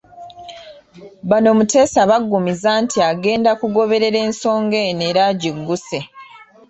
Bano Muteesa abagumizza nti agenda kugoberera ensonga eno era agigguse.